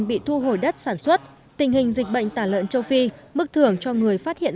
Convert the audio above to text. bị thu hồi đất sản xuất tình hình dịch bệnh tả lợn châu phi mức thưởng cho người phát hiện